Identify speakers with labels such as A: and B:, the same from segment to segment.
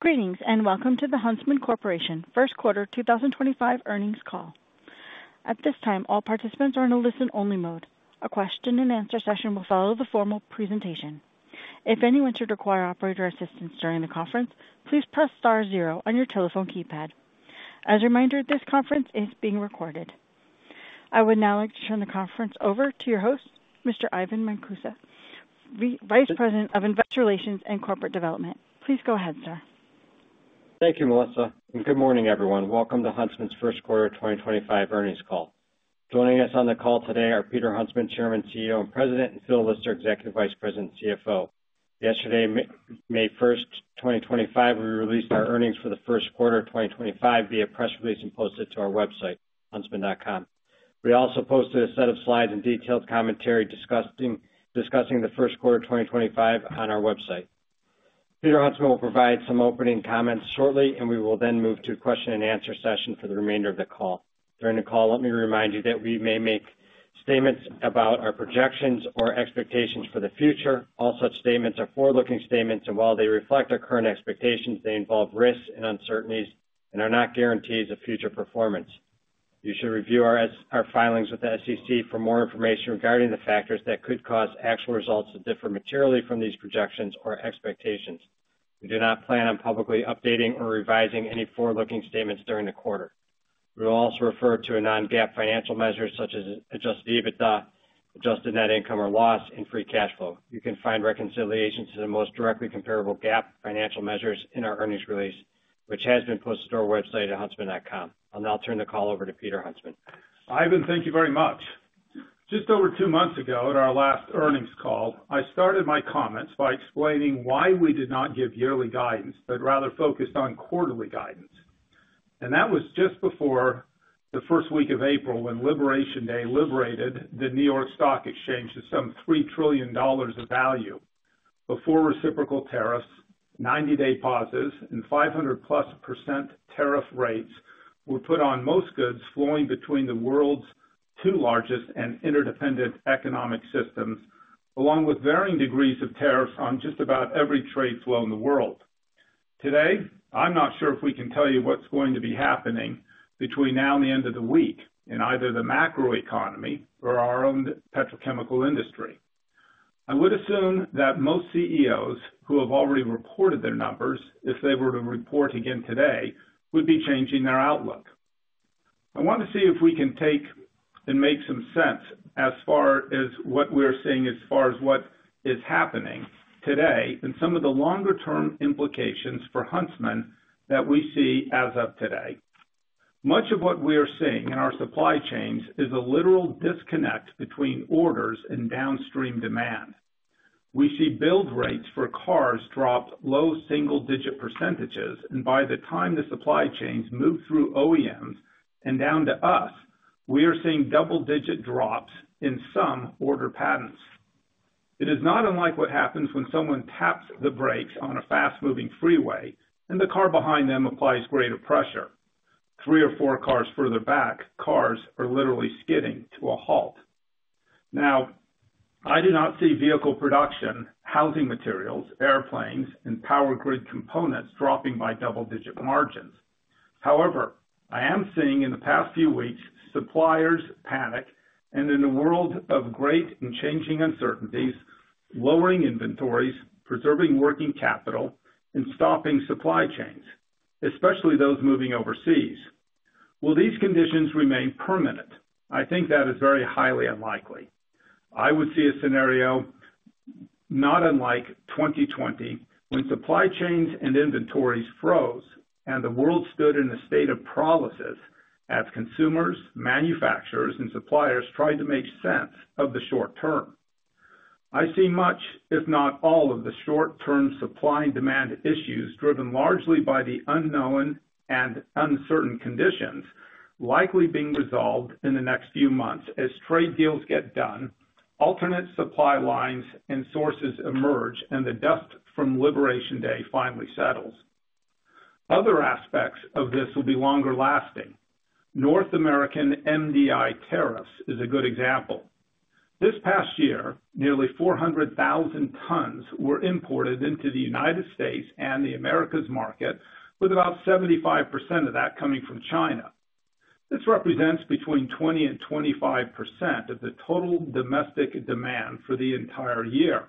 A: Greetings and welcome to the Huntsman Corporation First Quarter 2025 Earnings Call. At this time, all participants are in a listen-only mode. A question-and-answer session will follow the formal presentation. If anyone should require operator assistance during the conference, please press star zero on your telephone keypad. As a reminder, this conference is being recorded. I would now like to turn the conference over to your host, Mr. Ivan Marcuse, Vice President of Investor Relations and Corporate Development. Please go ahead, sir.
B: Thank you, Melissa. Good morning, everyone. Welcome to Huntsman's First Quarter 2025 Earnings Call. Joining us on the call today are Peter Huntsman, Chairman, CEO, and President, and Phil Lister, Executive Vice President, CFO. Yesterday, May 1, 2025, we released our earnings for the first quarter of 2025 via press release and posted it to our website, huntsman.com. We also posted a set of slides and detailed commentary discussing the first quarter of 2025 on our website. Peter Huntsman will provide some opening comments shortly, and we will then move to a question-and-answer session for the remainder of the call. During the call, let me remind you that we may make statements about our projections or expectations for the future. All such statements are forward-looking statements, and while they reflect our current expectations, they involve risks and uncertainties and are not guarantees of future performance. You should review our filings with the SEC for more information regarding the factors that could cause actual results to differ materially from these projections or expectations. We do not plan on publicly updating or revising any forward-looking statements during the quarter. We will also refer to a non-GAAP financial measure such as adjusted EBITDA, adjusted net income or loss, and free cash flow. You can find reconciliations to the most directly comparable GAAP financial measures in our earnings release, which has been posted to our website at huntsman.com. I'll now turn the call over to Peter Huntsman.
C: Ivan, thank you very much. Just over two months ago, at our last earnings call, I started my comments by explaining why we did not give yearly guidance, but rather focused on quarterly guidance. That was just before the first week of April when Liberation Day liberated the New York Stock Exchange to some $3 trillion of value. Before reciprocal tariffs, 90-day pauses and 500-plus % tariff rates were put on most goods flowing between the world's two largest and interdependent economic systems, along with varying degrees of tariffs on just about every trade flow in the world. Today, I'm not sure if we can tell you what's going to be happening between now and the end of the week in either the macroeconomy or our own petrochemical industry. I would assume that most CEOs who have already reported their numbers, if they were to report again today, would be changing their outlook. I want to see if we can take and make some sense as far as what we're seeing as far as what is happening today and some of the longer-term implications for Huntsman that we see as of today. Much of what we are seeing in our supply chains is a literal disconnect between orders and downstream demand. We see build rates for cars drop low single-digit percentages, and by the time the supply chains move through OEMs and down to us, we are seeing double-digit drops in some order patterns. It is not unlike what happens when someone taps the brakes on a fast-moving freeway, and the car behind them applies greater pressure. Three or four cars further back, cars are literally skidding to a halt. Now, I do not see vehicle production, housing materials, airplanes, and power grid components dropping by double-digit margins. However, I am seeing in the past few weeks suppliers panic and, in a world of great and changing uncertainties, lowering inventories, preserving working capital, and stopping supply chains, especially those moving overseas. Will these conditions remain permanent? I think that is very highly unlikely. I would see a scenario not unlike 2020 when supply chains and inventories froze and the world stood in a state of paralysis as consumers, manufacturers, and suppliers tried to make sense of the short term. I see much, if not all, of the short-term supply and demand issues driven largely by the unknown and uncertain conditions likely being resolved in the next few months as trade deals get done, alternate supply lines and sources emerge, and the dust from Liberation Day finally settles. Other aspects of this will be longer lasting. North American MDI tariffs is a good example. This past year, nearly 400,000 tons were imported into the United States and the Americas market, with about 75% of that coming from China. This represents between 20-25% of the total domestic demand for the entire year.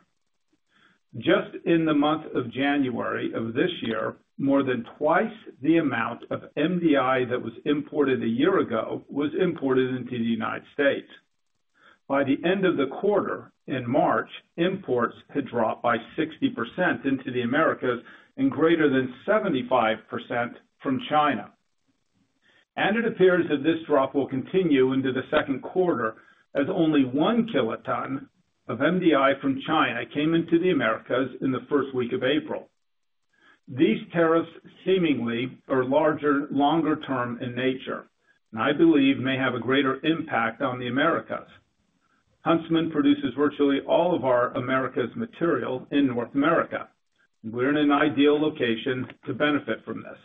C: Just in the month of January of this year, more than twice the amount of MDI that was imported a year ago was imported into the United States. By the end of the quarter in March, imports had dropped by 60% into the Americas and greater than 75% from China. It appears that this drop will continue into the second quarter as only one kiloton of MDI from China came into the Americas in the first week of April. These tariffs seemingly are larger, longer-term in nature, and I believe may have a greater impact on the Americas. Huntsman produces virtually all of our Americas material in North America, and we are in an ideal location to benefit from this.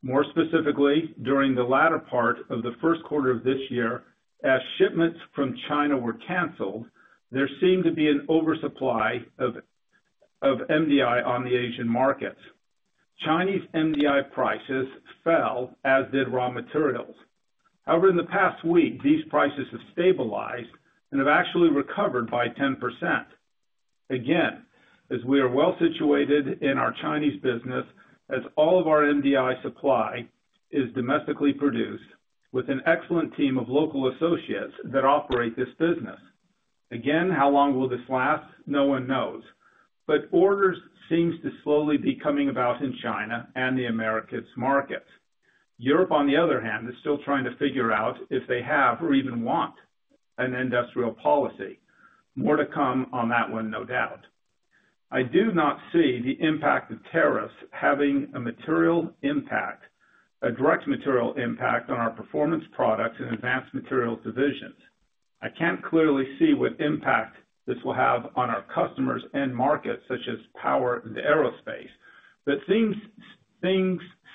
C: More specifically, during the latter part of the first quarter of this year, as shipments from China were canceled, there seemed to be an oversupply of MDI on the Asian markets. Chinese MDI prices fell, as did raw materials. However, in the past week, these prices have stabilized and have actually recovered by 10%. Again, as we are well situated in our Chinese business, as all of our MDI supply is domestically produced with an excellent team of local associates that operate this business. Again, how long will this last? No one knows. Orders seem to slowly be coming about in China and the Americas markets. Europe, on the other hand, is still trying to figure out if they have or even want an industrial policy. More to come on that one, no doubt. I do not see the impact of tariffs having a material impact, a direct material impact on our performance products and advanced materials divisions. I cannot clearly see what impact this will have on our customers and markets such as power and aerospace, but things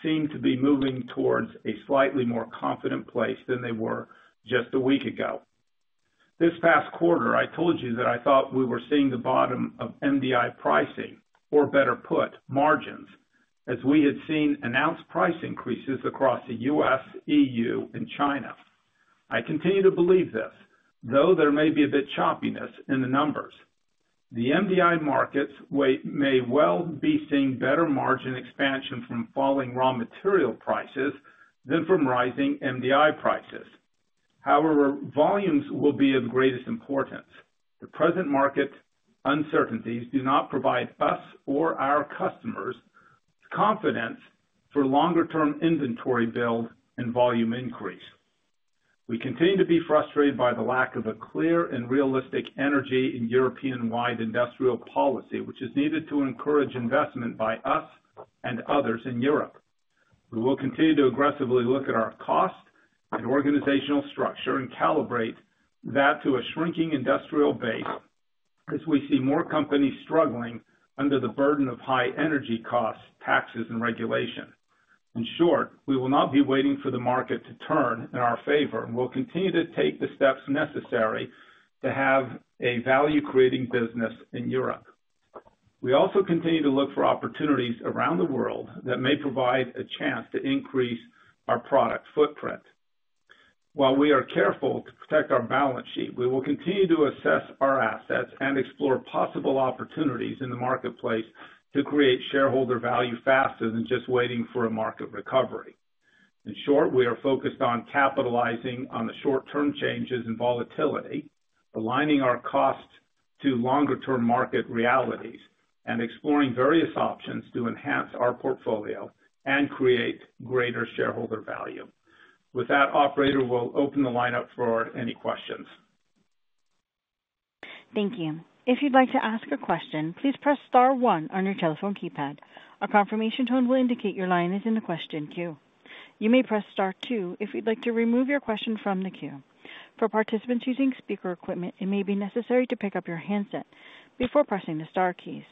C: seem to be moving towards a slightly more confident place than they were just a week ago. This past quarter, I told you that I thought we were seeing the bottom of MDI pricing, or better put, margins, as we had seen announced price increases across the U.S., EU, and China. I continue to believe this, though there may be a bit of choppiness in the numbers. The MDI markets may well be seeing better margin expansion from falling raw material prices than from rising MDI prices. However, volumes will be of greatest importance. The present market uncertainties do not provide us or our customers confidence for longer-term inventory build and volume increase. We continue to be frustrated by the lack of a clear and realistic energy and European-wide industrial policy, which is needed to encourage investment by us and others in Europe. We will continue to aggressively look at our cost and organizational structure and calibrate that to a shrinking industrial base as we see more companies struggling under the burden of high energy costs, taxes, and regulation. In short, we will not be waiting for the market to turn in our favor and will continue to take the steps necessary to have a value-creating business in Europe. We also continue to look for opportunities around the world that may provide a chance to increase our product footprint. While we are careful to protect our balance sheet, we will continue to assess our assets and explore possible opportunities in the marketplace to create shareholder value faster than just waiting for a market recovery. In short, we are focused on capitalizing on the short-term changes in volatility, aligning our costs to longer-term market realities, and exploring various options to enhance our portfolio and create greater shareholder value. With that, Operator will open the lineup for any questions.
A: Thank you. If you'd like to ask a question, please press star one on your telephone keypad. A confirmation tone will indicate your line is in the question queue. You may press star two if you'd like to remove your question from the queue. For participants using speaker equipment, it may be necessary to pick up your handset before pressing the star keys.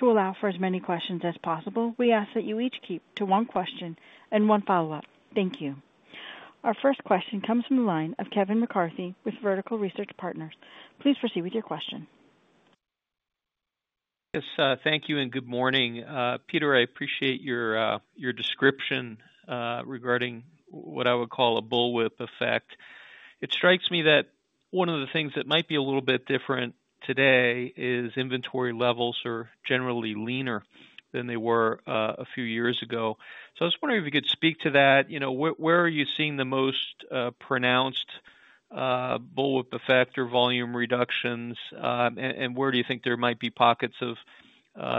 A: To allow for as many questions as possible, we ask that you each keep to one question and one follow-up. Thank you. Our first question comes from the line of Kevin McCarthy with Vertical Research Partners. Please proceed with your question.
D: Yes, thank you and good morning. Peter, I appreciate your description regarding what I would call a bullwhip effect. It strikes me that one of the things that might be a little bit different today is inventory levels are generally leaner than they were a few years ago. I was wondering if you could speak to that. Where are you seeing the most pronounced bullwhip effect or volume reductions, and where do you think there might be pockets of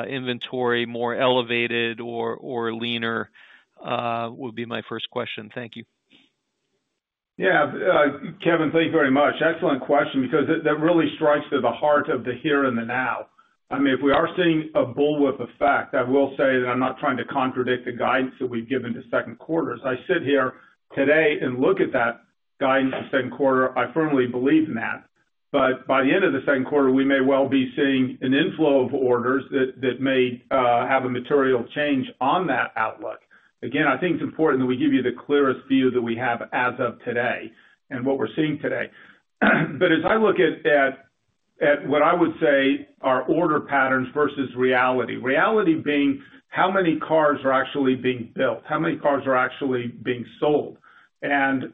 D: inventory more elevated or leaner would be my first question. Thank you.
C: Yeah, Kevin, thank you very much. Excellent question because that really strikes to the heart of the here and the now. I mean, if we are seeing a bullwhip effect, I will say that I'm not trying to contradict the guidance that we've given to second quarters. I sit here today and look at that guidance for second quarter. I firmly believe in that. By the end of the second quarter, we may well be seeing an inflow of orders that may have a material change on that outlook. Again, I think it's important that we give you the clearest view that we have as of today and what we're seeing today. As I look at what I would say are order patterns versus reality, reality being how many cars are actually being built, how many cars are actually being sold. There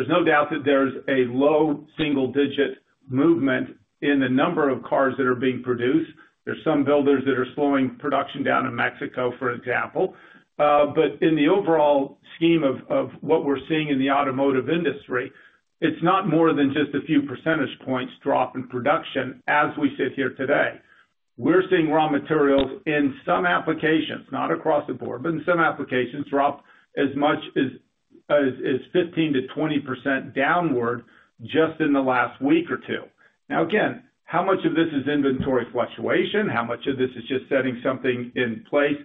C: is no doubt that there is a low single-digit movement in the number of cars that are being produced. There are some builders that are slowing production down in Mexico, for example. In the overall scheme of what we are seeing in the automotive industry, it is not more than just a few percentage points drop in production as we sit here today. We are seeing raw materials in some applications, not across the board, but in some applications drop as much as 15-20% downward just in the last week or two. Again, how much of this is inventory fluctuation? How much of this is just setting something in place?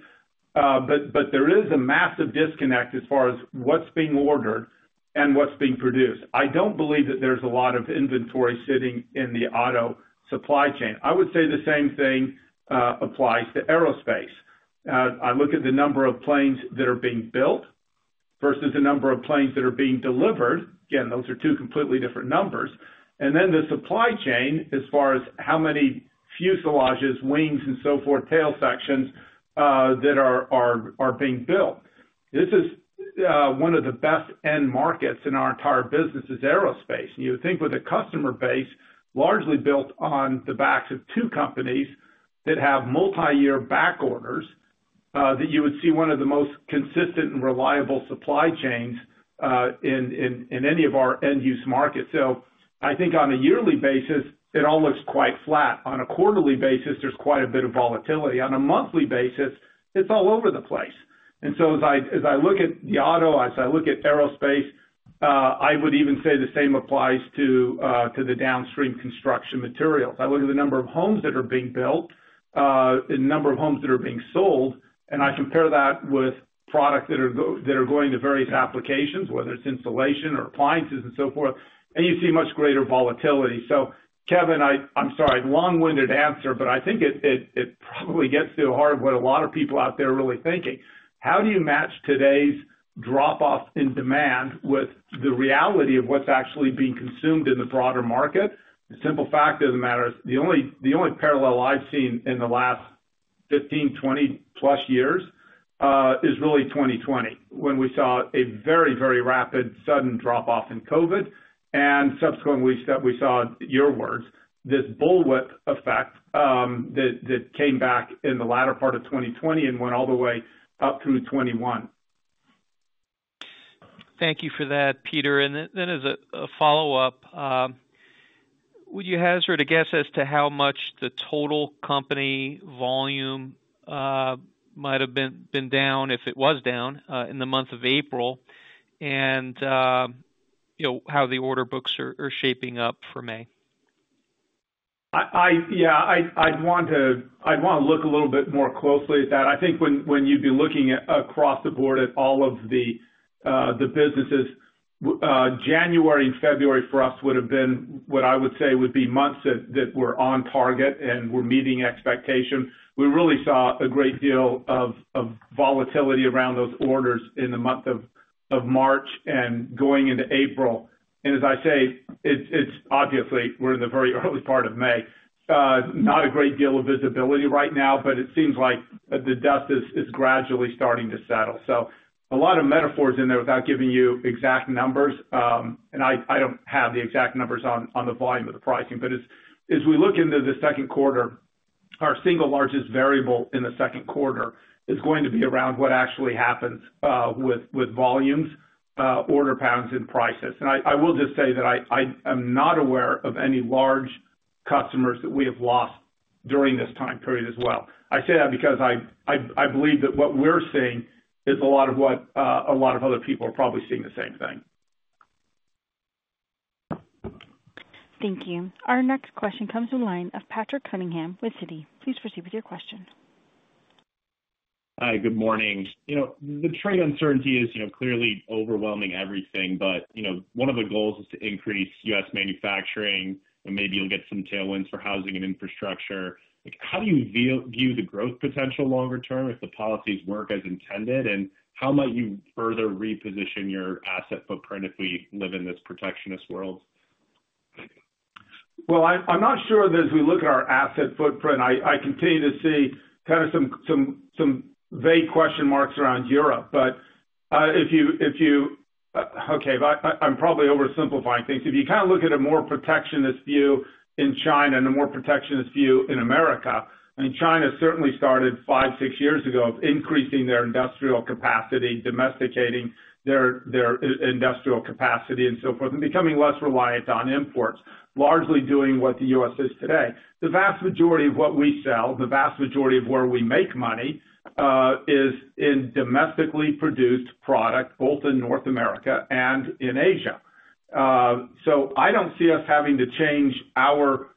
C: There is a massive disconnect as far as what is being ordered and what is being produced. I do not believe that there is a lot of inventory sitting in the auto supply chain. I would say the same thing applies to aerospace. I look at the number of planes that are being built versus the number of planes that are being delivered. Again, those are two completely different numbers. The supply chain as far as how many fuselages, wings, and so forth, tail sections that are being built. This is one of the best-end markets in our entire business is aerospace. You would think with a customer base largely built on the backs of two companies that have multi-year back orders that you would see one of the most consistent and reliable supply chains in any of our end-use markets. I think on a yearly basis, it all looks quite flat. On a quarterly basis, there's quite a bit of volatility. On a monthly basis, it's all over the place. As I look at the auto, as I look at aerospace, I would even say the same applies to the downstream construction materials. I look at the number of homes that are being built and the number of homes that are being sold, and I compare that with products that are going to various applications, whether it's insulation or appliances and so forth, and you see much greater volatility. Kevin, I'm sorry, long-winded answer, but I think it probably gets to the heart of what a lot of people out there are really thinking. How do you match today's drop-off in demand with the reality of what's actually being consumed in the broader market? The simple fact of the matter is the only parallel I've seen in the last 15, 20-plus years is really 2020 when we saw a very, very rapid sudden drop-off in COVID, and subsequently we saw your words, this bullwhip effect that came back in the latter part of 2020 and went all the way up through 2021.
D: Thank you for that, Peter. As a follow-up, would you hazard a guess as to how much the total company volume might have been down, if it was down, in the month of April, and how the order books are shaping up for May?
C: Yeah, I'd want to look a little bit more closely at that. I think when you'd be looking across the board at all of the businesses, January and February for us would have been what I would say would be months that were on target and were meeting expectations. We really saw a great deal of volatility around those orders in the month of March and going into April. As I say, obviously, we're in the very early part of May. Not a great deal of visibility right now, but it seems like the dust is gradually starting to settle. A lot of metaphors in there without giving you exact numbers, and I don't have the exact numbers on the volume of the pricing. As we look into the second quarter, our single largest variable in the second quarter is going to be around what actually happens with volumes, order pounds, and prices. I will just say that I am not aware of any large customers that we have lost during this time period as well. I say that because I believe that what we're seeing is a lot of what a lot of other people are probably seeing the same thing.
A: Thank you. Our next question comes from the line of Patrick Cunningham with Citi. Please proceed with your question.
E: Hi, good morning. The trade uncertainty is clearly overwhelming everything, but one of the goals is to increase U.S. manufacturing, and maybe you'll get some tailwinds for housing and infrastructure. How do you view the growth potential longer term if the policies work as intended, and how might you further reposition your asset footprint if we live in this protectionist world?
C: I'm not sure that as we look at our asset footprint, I continue to see kind of some vague question marks around Europe. If you—okay, I'm probably oversimplifying things. If you kind of look at a more protectionist view in China and a more protectionist view in America, I mean, China certainly started five, six years ago increasing their industrial capacity, domesticating their industrial capacity and so forth, and becoming less reliant on imports, largely doing what the U.S. is today. The vast majority of what we sell, the vast majority of where we make money is in domestically produced product, both in North America and in Asia. I don't see us having to change our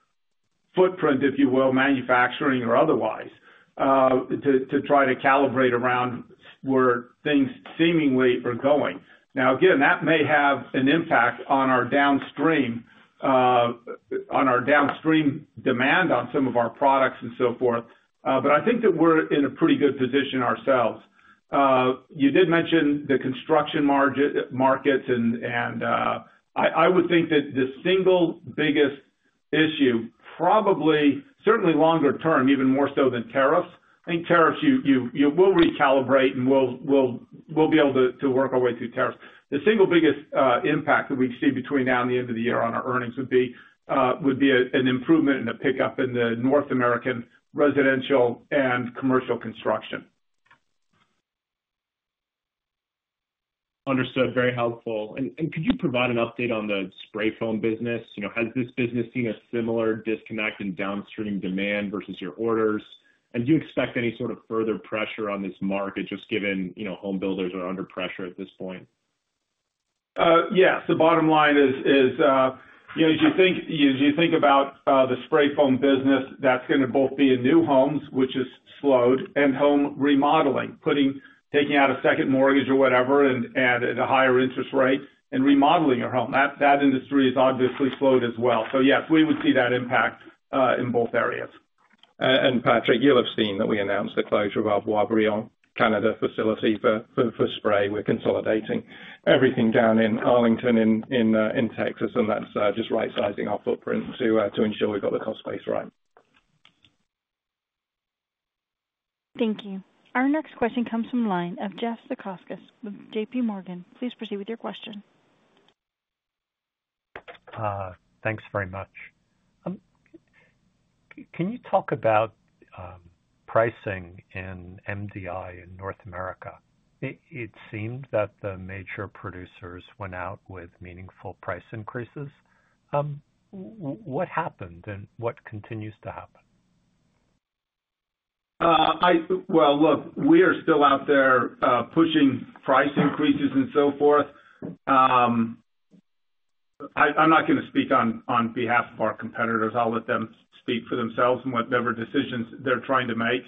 C: footprint, if you will, manufacturing or otherwise, to try to calibrate around where things seemingly are going. Now, again, that may have an impact on our downstream demand on some of our products and so forth, but I think that we're in a pretty good position ourselves. You did mention the construction markets, and I would think that the single biggest issue probably, certainly longer term, even more so than tariffs. I think tariffs you will recalibrate and we'll be able to work our way through tariffs. The single biggest impact that we see between now and the end of the year on our earnings would be an improvement and a pickup in the North American residential and commercial construction.
E: Understood. Very helpful. Could you provide an update on the spray foam business? Has this business seen a similar disconnect in downstream demand versus your orders? Do you expect any sort of further pressure on this market just given homebuilders are under pressure at this point?
C: Yes. The bottom line is, as you think about the spray foam business, that's going to both be in new homes, which has slowed, and home remodeling, taking out a second mortgage or whatever at a higher interest rate and remodeling your home. That industry has obviously slowed as well. Yes, we would see that impact in both areas.
F: Patrick, you'll have seen that we announced the closure of our Boisbriand, Canada facility for spray. We're consolidating everything down in Arlington, Texas, and that's just right-sizing our footprint to ensure we've got the cost base right.
A: Thank you. Our next question comes from the line of Jeff Zekauskas with JPMorgan. Please proceed with your question.
G: Thanks very much. Can you talk about pricing in MDI in North America? It seemed that the major producers went out with meaningful price increases. What happened and what continues to happen?
C: Look, we are still out there pushing price increases and so forth. I'm not going to speak on behalf of our competitors. I'll let them speak for themselves and whatever decisions they're trying to make.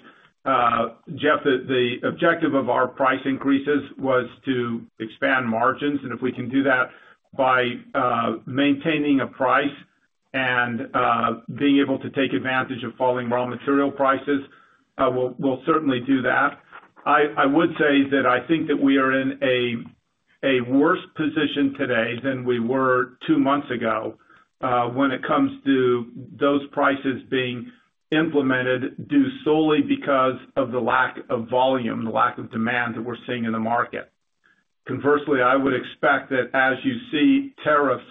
C: Jeff, the objective of our price increases was to expand margins, and if we can do that by maintaining a price and being able to take advantage of falling raw material prices, we'll certainly do that. I would say that I think that we are in a worse position today than we were two months ago when it comes to those prices being implemented solely because of the lack of volume, the lack of demand that we're seeing in the market. Conversely, I would expect that as you see tariffs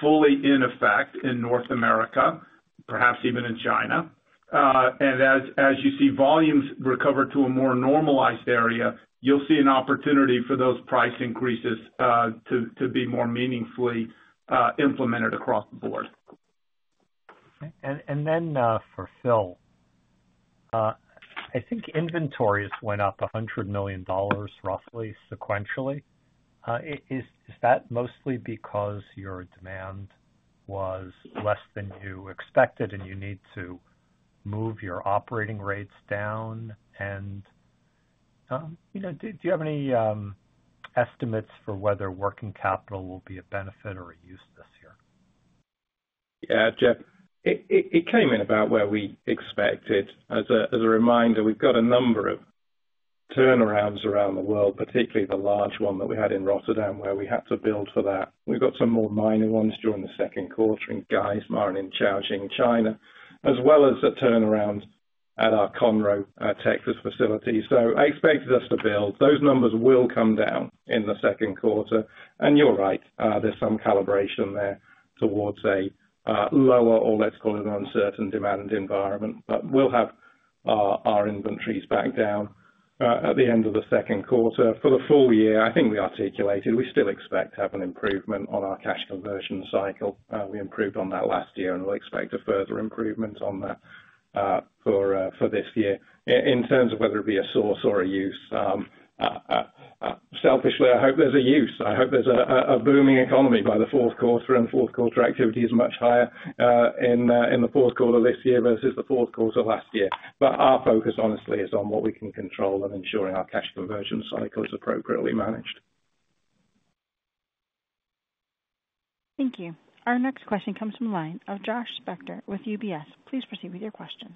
C: fully in effect in North America, perhaps even in China, and as you see volumes recover to a more normalized area, you'll see an opportunity for those price increases to be more meaningfully implemented across the board.
G: For Phil, I think inventories went up $100 million roughly sequentially. Is that mostly because your demand was less than you expected and you need to move your operating rates down? Do you have any estimates for whether working capital will be a benefit or a use this year?
F: Yeah, Jeff, it came in about where we expected. As a reminder, we've got a number of turnarounds around the world, particularly the large one that we had in Rotterdam where we had to build for that. We've got some more minor ones during the second quarter in Guangzhou and in Caojing, China, as well as a turnaround at our Conroe, Texas facility. I expected us to build. Those numbers will come down in the second quarter. You're right. There's some calibration there towards a lower or let's call it an uncertain demand environment, but we'll have our inventories back down at the end of the second quarter. For the full year, I think we articulated we still expect to have an improvement on our cash conversion cycle. We improved on that last year, and we'll expect a further improvement on that for this year in terms of whether it be a source or a use. Selfishly, I hope there's a use. I hope there's a booming economy by the fourth quarter, and fourth quarter activity is much higher in the fourth quarter this year versus the fourth quarter last year. Our focus, honestly, is on what we can control and ensuring our cash conversion cycle is appropriately managed.
A: Thank you. Our next question comes from the line of Josh Spector with UBS. Please proceed with your question.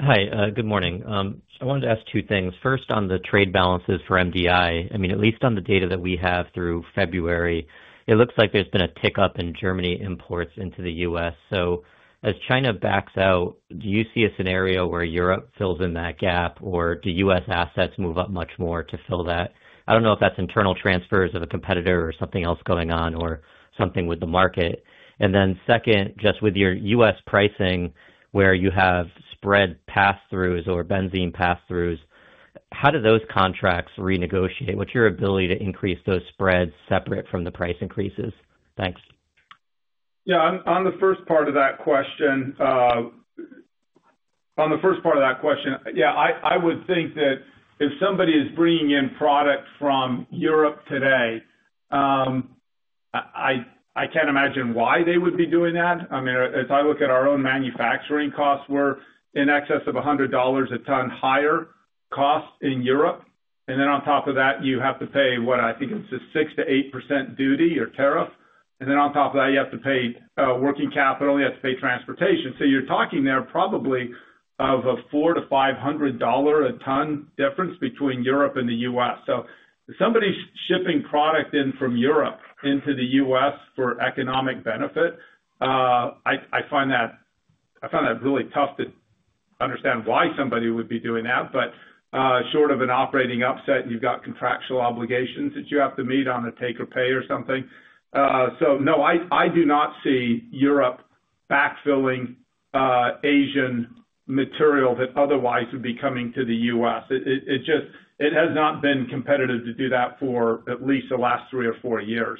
H: Hi, good morning. I wanted to ask two things. First, on the trade balances for MDI, I mean, at least on the data that we have through February, it looks like there's been a tick up in Germany imports into the U.S. As China backs out, do you see a scenario where Europe fills in that gap, or do U.S. assets move up much more to fill that? I do not know if that's internal transfers of a competitor or something else going on or something with the market. Second, just with your U.S. pricing where you have spread pass-throughs or benzene pass-throughs, how do those contracts renegotiate? What's your ability to increase those spreads separate from the price increases? Thanks.
C: Yeah, on the first part of that question, on the first part of that question, yeah, I would think that if somebody is bringing in product from Europe today, I can't imagine why they would be doing that. I mean, if I look at our own manufacturing costs, we're in excess of $100 a ton higher cost in Europe. Then on top of that, you have to pay what I think is a 6-8% duty or tariff. Then on top of that, you have to pay working capital, you have to pay transportation. You are talking there probably of a $400-$500 a ton difference between Europe and the U.S. If somebody's shipping product in from Europe into the U.S. for economic benefit, I find that really tough to understand why somebody would be doing that, but short of an operating upset, you've got contractual obligations that you have to meet on a take or pay or something. No, I do not see Europe backfilling Asian material that otherwise would be coming to the U.S. It has not been competitive to do that for at least the last three or four years.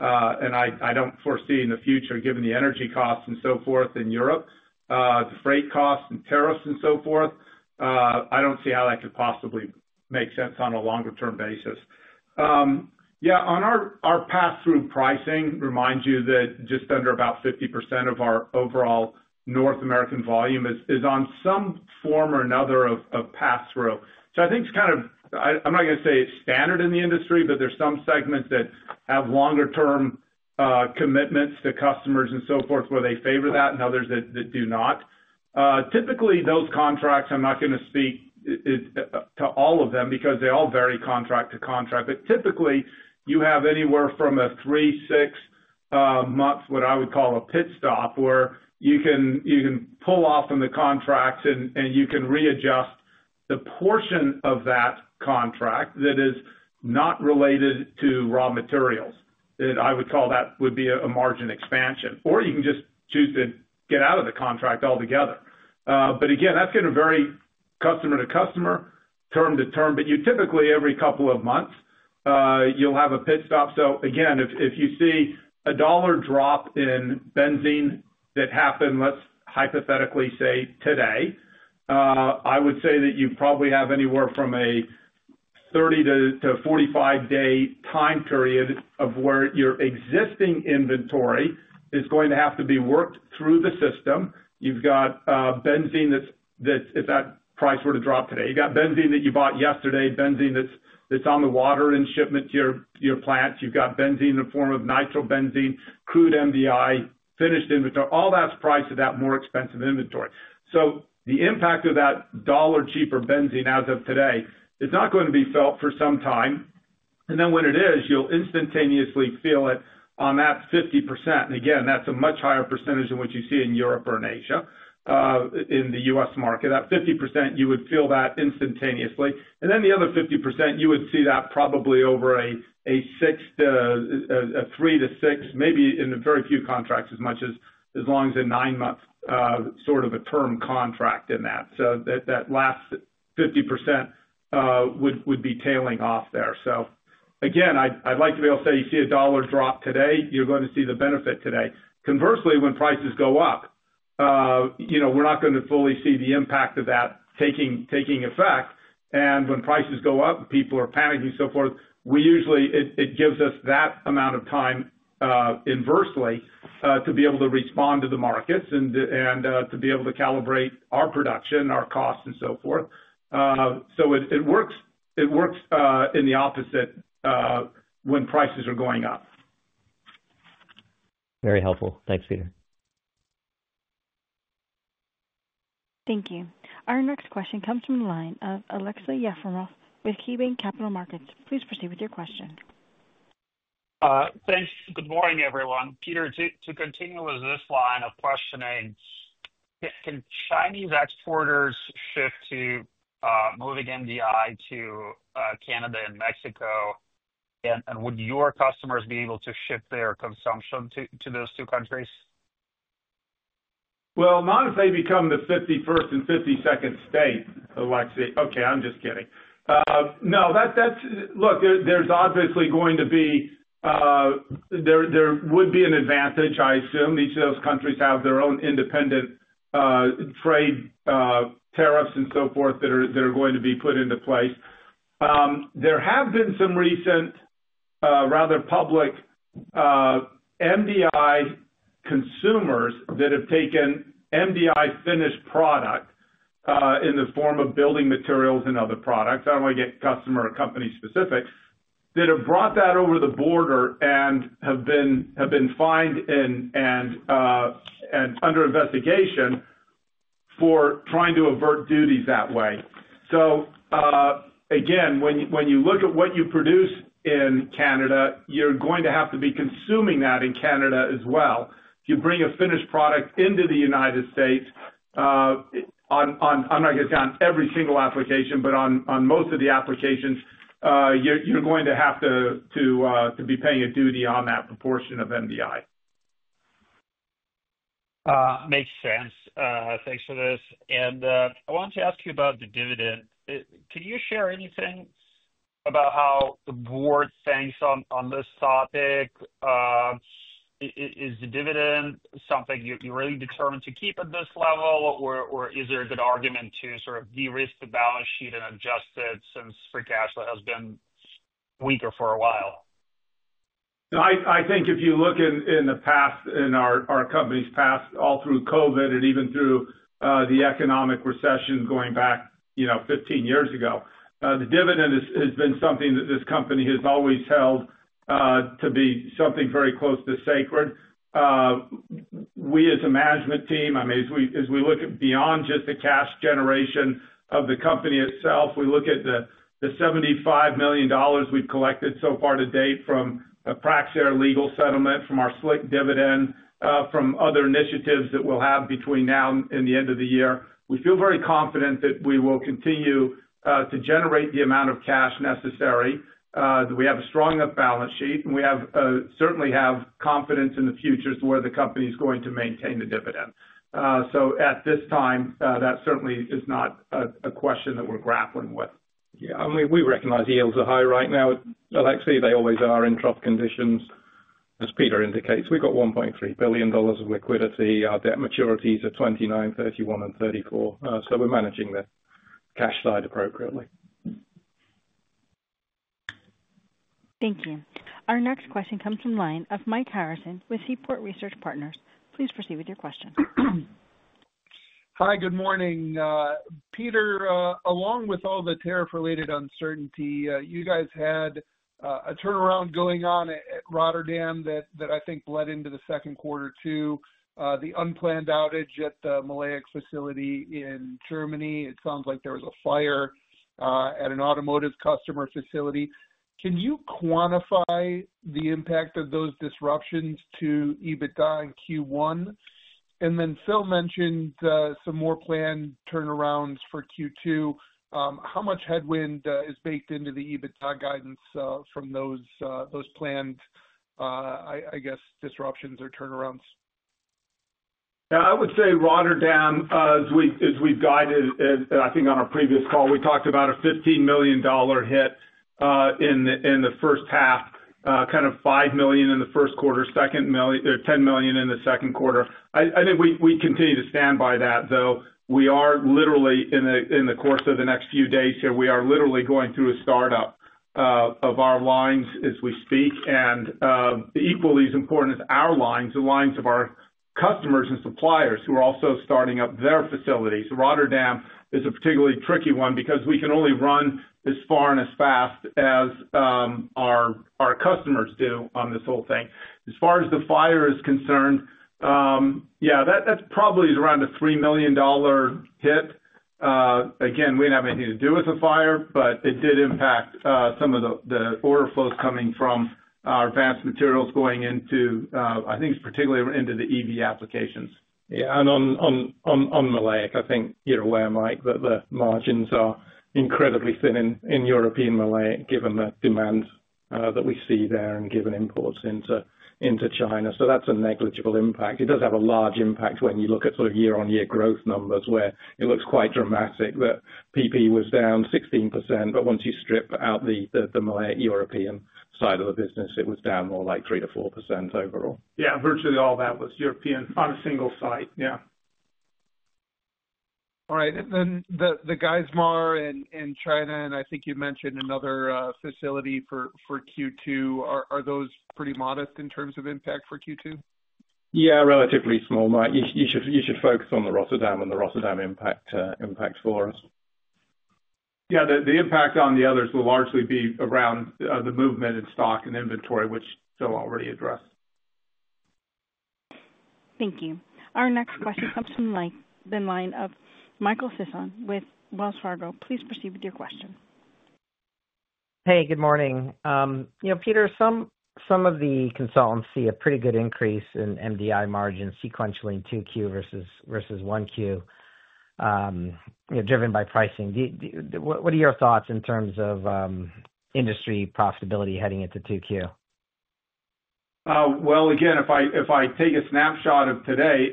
C: I don't foresee in the future, given the energy costs and so forth in Europe, the freight costs and tariffs and so forth, I don't see how that could possibly make sense on a longer-term basis. Yeah, on our pass-through pricing, remind you that just under about 50% of our overall North American volume is on some form or another of pass-through. I think it's kind of, I'm not going to say it's standard in the industry, but there's some segments that have longer-term commitments to customers and so forth where they favor that and others that do not. Typically, those contracts, I'm not going to speak to all of them because they all vary contract to contract. Typically, you have anywhere from a three, six months, what I would call a pit stop, where you can pull off from the contracts and you can readjust the portion of that contract that is not related to raw materials. I would call that would be a margin expansion. Or you can just choose to get out of the contract altogether. Again, that's going to vary customer to customer, term to term, but typically, every couple of months, you'll have a pit stop. If you see a dollar drop in benzene that happened, let's hypothetically say today, I would say that you probably have anywhere from a 30-45 day time period of where your existing inventory is going to have to be worked through the system. You've got benzene that's, if that price were to drop today. You've got benzene that you bought yesterday, benzene that's on the water in shipment to your plants. You've got benzene in the form of nitrobenzene, crude MDI, finished inventory. All that's priced to that more expensive inventory. The impact of that dollar-cheaper benzene as of today, it's not going to be felt for some time. When it is, you'll instantaneously feel it on that 50%. That's a much higher percentage than what you see in Europe or in Asia, in the U.S. market. That 50%, you would feel that instantaneously. Then the other 50%, you would see that probably over a three to six, maybe in very few contracts as much as long as a nine-month sort of a term contract in that. That last 50% would be tailing off there. I would like to be able to say you see a dollar drop today, you're going to see the benefit today. Conversely, when prices go up, we're not going to fully see the impact of that taking effect. When prices go up and people are panicking and so forth, it gives us that amount of time inversely to be able to respond to the markets and to be able to calibrate our production, our costs, and so forth. It works in the opposite when prices are going up.
H: Very helpful. Thanks, Peter.
A: Thank you. Our next question comes from the line of Aleksey Yefremov with KeyBanc Capital Markets. Please proceed with your question.
I: Thanks. Good morning, everyone. Peter, to continue with this line of questioning, can Chinese exporters shift to moving MDI to Canada and Mexico, and would your customers be able to shift their consumption to those two countries?
C: Not if they become the 51st and 52nd state, Aleksey. Okay, I'm just kidding. No, look, there's obviously going to be, there would be an advantage, I assume. Each of those countries have their own independent trade tariffs and so forth that are going to be put into place. There have been some recent, rather public MDI consumers that have taken MDI finished product in the form of building materials and other products. I don't want to get customer or company specific, that have brought that over the border and have been fined and under investigation for trying to avert duties that way. Again, when you look at what you produce in Canada, you're going to have to be consuming that in Canada as well. If you bring a finished product into the United States, I'm not going to say on every single application, but on most of the applications, you're going to have to be paying a duty on that proportion of MDI.
I: Makes sense. Thanks for this. I wanted to ask you about the dividend. Can you share anything about how the board thinks on this topic? Is the dividend something you're really determined to keep at this level, or is there a good argument to sort of de-risk the balance sheet and adjust it since free cash flow has been weaker for a while?
C: I think if you look in the past, in our company's past, all through COVID and even through the economic recession going back 15 years ago, the dividend has been something that this company has always held to be something very close to sacred. We, as a management team, I mean, as we look at beyond just the cash generation of the company itself, we look at the $75 million we've collected so far to date from a Praxair legal settlement, from our SLIC dividend, from other initiatives that we'll have between now and the end of the year. We feel very confident that we will continue to generate the amount of cash necessary. We have a strong enough balance sheet, and we certainly have confidence in the future to where the company is going to maintain the dividend. At this time, that certainly is not a question that we're grappling with.
F: Yeah, I mean, we recognize yields are high right now. Aleksey, they always are in tough conditions. As Peter indicates, we've got $1.3 billion of liquidity. Our debt maturities are 2029, 2031, and 2034. So we're managing the cash side appropriately.
A: Thank you. Our next question comes from the line of Mike Harrison with Seaport Research Partners. Please proceed with your question.
J: Hi, good morning. Peter, along with all the tariff-related uncertainty, you guys had a turnaround going on at Rotterdam that I think led into the second quarter too. The unplanned outage at the Maleic facility in Germany, it sounds like there was a fire at an automotive customer facility. Can you quantify the impact of those disruptions to EBITDA in Q1? Phil mentioned some more planned turnarounds for Q2. How much headwind is baked into the EBITDA guidance from those planned, I guess, disruptions or turnarounds?
C: Yeah, I would say Rotterdam, as we've guided, I think on our previous call, we talked about a $15 million hit in the first half, kind of $5 million in the first quarter, $10 million in the second quarter. I think we continue to stand by that, though. We are literally, in the course of the next few days here, we are literally going through a startup of our lines as we speak. Equally as important as our lines, the lines of our customers and suppliers who are also starting up their facilities. Rotterdam is a particularly tricky one because we can only run as far and as fast as our customers do on this whole thing. As far as the fire is concerned, yeah, that probably is around a $3 million hit. Again, we didn't have anything to do with the fire, but it did impact some of the order flows coming from our advanced materials going into, I think, particularly into the EV applications.
F: Yeah, and on maleic, I think you're aware, Mike, that the margins are incredibly thin in European maleic given the demand that we see there and given imports into China. That is a negligible impact. It does have a large impact when you look at sort of year-on-year growth numbers where it looks quite dramatic that PP was down 16%, but once you strip out the maleic European side of the business, it was down more like 3-4% overall.
C: Yeah, virtually all that was European on a single site. Yeah.
J: All right. And then the Geismar and China, and I think you mentioned another facility for Q2. Are those pretty modest in terms of impact for Q2?
F: Yeah, relatively small, Mike. You should focus on the Rotterdam and the Rotterdam impact for us.
C: Yeah, the impact on the others will largely be around the movement in stock and inventory, which Phil already addressed.
A: Thank you. Our next question comes from the line of Michael Sison with Wells Fargo. Please proceed with your question.
K: Hey, good morning. Peter, some of the consultants see a pretty good increase in MDI margin sequentially in 2Q versus 1Q, driven by pricing. What are your thoughts in terms of industry profitability heading into 2Q?
C: If I take a snapshot of today,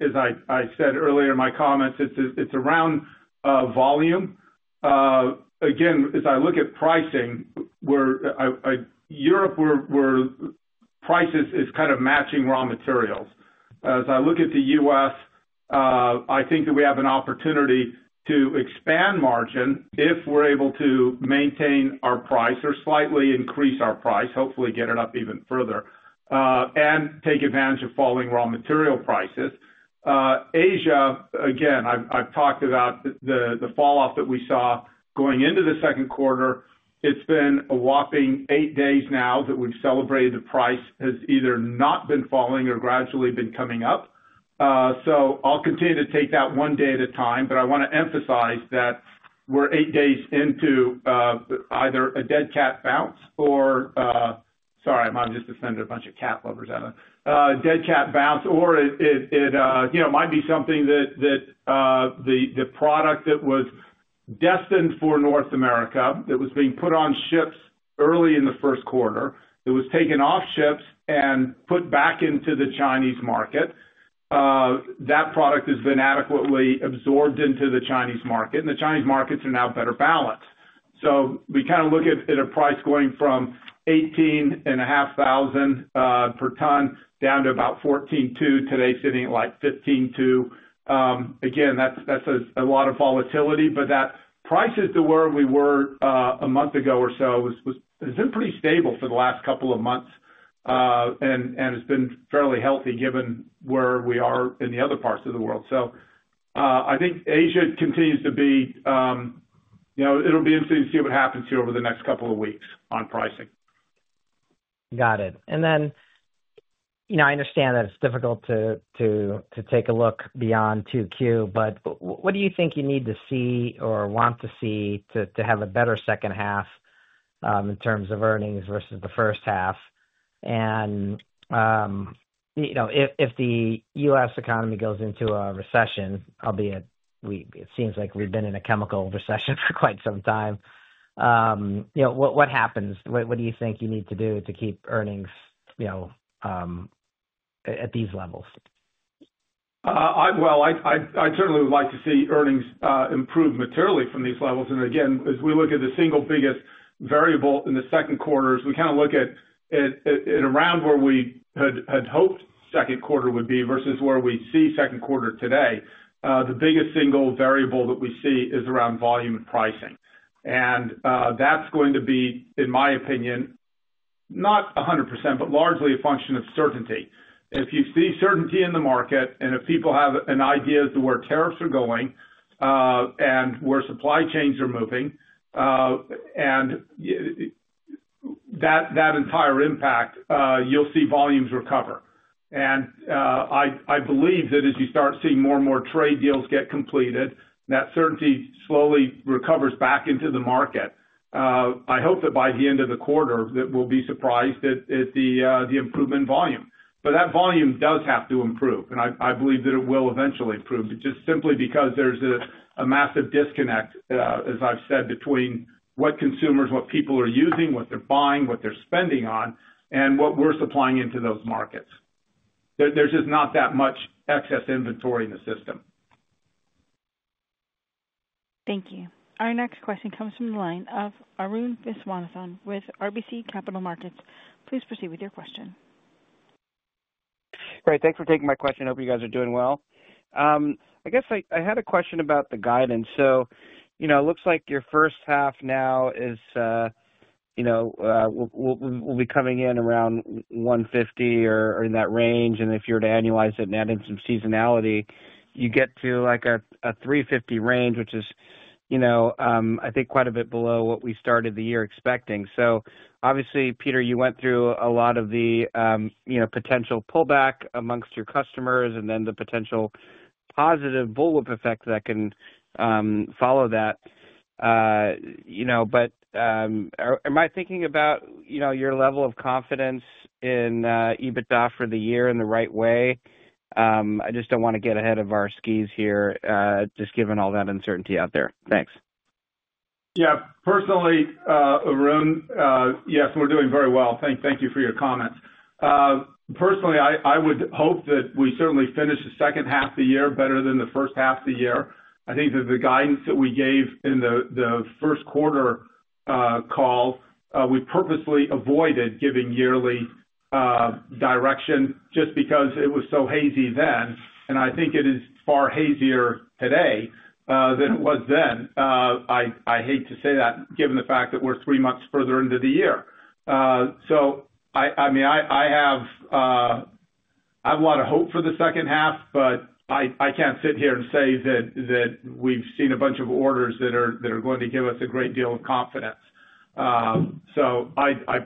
C: as I said earlier in my comments, it's around volume. Again, as I look at pricing, Europe where price is kind of matching raw materials. As I look at the U.S., I think that we have an opportunity to expand margin if we're able to maintain our price or slightly increase our price, hopefully get it up even further, and take advantage of falling raw material prices. Asia, again, I've talked about the falloff that we saw going into the second quarter. It's been a whopping eight days now that we've celebrated the price has either not been falling or gradually been coming up. I'll continue to take that one day at a time, but I want to emphasize that we're eight days into either a dead cat bounce or—sorry, I'm just going to send a bunch of cat lovers out of—dead cat bounce, or it might be something that the product that was destined for North America that was being put on ships early in the first quarter, that was taken off ships and put back into the Chinese market, that product has been adequately absorbed into the Chinese market, and the Chinese markets are now better balanced. We kind of look at a price going from $18,500 per ton down to about $14,200 today, sitting at like $15,200. Again, that's a lot of volatility, but that price is to where we were a month ago or so. It's been pretty stable for the last couple of months, and it's been fairly healthy given where we are in the other parts of the world. I think Asia continues to be—it'll be interesting to see what happens here over the next couple of weeks on pricing.
K: Got it. I understand that it's difficult to take a look beyond 2Q, but what do you think you need to see or want to see to have a better second half in terms of earnings versus the first half? If the U.S. economy goes into a recession, albeit it seems like we've been in a chemical recession for quite some time, what happens? What do you think you need to do to keep earnings at these levels?
F: I certainly would like to see earnings improve materially from these levels. Again, as we look at the single biggest variable in the second quarter, we kind of look at around where we had hoped second quarter would be versus where we see second quarter today. The biggest single variable that we see is around volume and pricing. That is going to be, in my opinion, not 100%, but largely a function of certainty. If you see certainty in the market and if people have an idea as to where tariffs are going and where supply chains are moving, and that entire impact, you will see volumes recover. I believe that as you start seeing more and more trade deals get completed, that certainty slowly recovers back into the market. I hope that by the end of the quarter, we will be surprised at the improvement in volume. That volume does have to improve, and I believe that it will eventually improve, just simply because there's a massive disconnect, as I've said, between what consumers, what people are using, what they're buying, what they're spending on, and what we're supplying into those markets. There's just not that much excess inventory in the system.
A: Thank you. Our next question comes from the line of Arun Viswanathan with RBC Capital Markets. Please proceed with your question.
L: Great. Thanks for taking my question. I hope you guys are doing well. I guess I had a question about the guidance. It looks like your first half now will be coming in around $150 million or in that range. If you were to annualize it and add in some seasonality, you get to like a $350 million range, which is, I think, quite a bit below what we started the year expecting. Obviously, Peter, you went through a lot of the potential pullback amongst your customers and then the potential positive bullwhip effect that can follow that. Am I thinking about your level of confidence in EBITDA for the year in the right way? I just do not want to get ahead of our skis here, just given all that uncertainty out there. Thanks.
C: Yeah. Personally, Arun, yes, we're doing very well. Thank you for your comments. Personally, I would hope that we certainly finish the second half of the year better than the first half of the year. I think that the guidance that we gave in the first quarter call, we purposely avoided giving yearly direction just because it was so hazy then. I think it is far hazier today than it was then. I hate to say that given the fact that we're three months further into the year. I mean, I have a lot of hope for the second half, but I can't sit here and say that we've seen a bunch of orders that are going to give us a great deal of confidence. I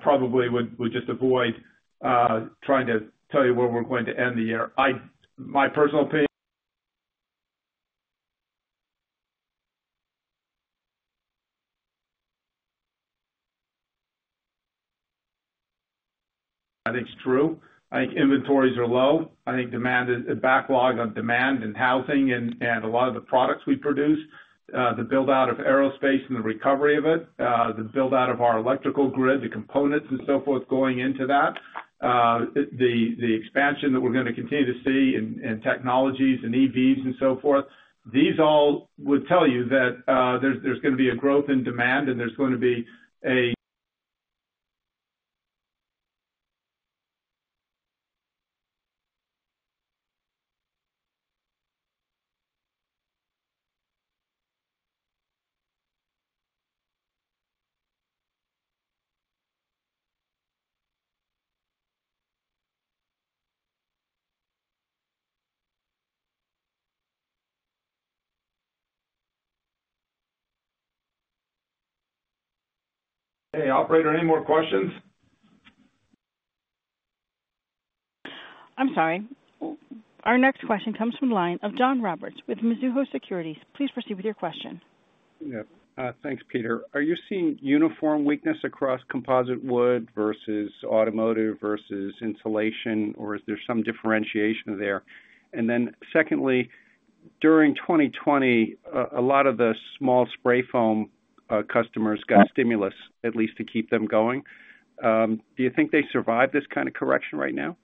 C: probably would just avoid trying to tell you where we're going to end the year. My personal opinion.
F: I think it's true. I think inventories are low. I think backlog on demand and housing and a lot of the products we produce, the buildout of aerospace and the recovery of it, the buildout of our electrical grid, the components and so forth going into that, the expansion that we're going to continue to see in technologies and EVs and so forth, these all would tell you that there's going to be a growth in demand and there's going to be a. Hey, operator, any more questions?
A: I'm sorry. Our next question comes from the line of John Roberts with Mizuho Securities. Please proceed with your question.
M: Thanks, Peter. Are you seeing uniform weakness across composite wood versus automotive versus insulation, or is there some differentiation there? Secondly, during 2020, a lot of the small spray foam customers got stimulus, at least to keep them going. Do you think they survive this kind of correction right now?